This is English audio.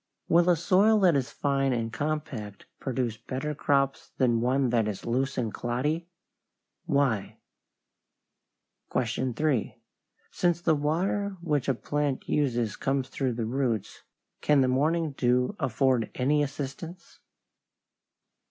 Will a soil that is fine and compact produce better crops than one that is loose and cloddy? Why? 3. Since the water which a plant uses comes through the roots, can the morning dew afford any assistance?